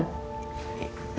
kamu udah bangun